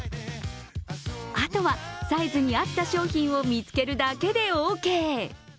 あとはサイズに合った商品を見つけるだけでオーケー。